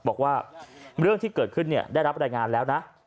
บอกว่าเรื่องที่เกิดขึ้นได้รับรายงานแล้วนะ